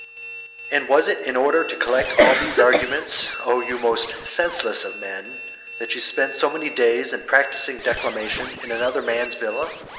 XVII. And was it in order to collect all these arguments, O you most senseless of men, that you spent so many days in practising declamation in another man's villa?